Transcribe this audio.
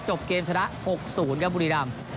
เกมชนะ๖๐ครับบุรีรำ